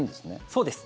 そうです。